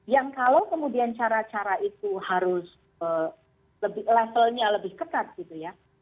yang kalau kemudian cara cara itu harus levelnya lebih ketat gitu ya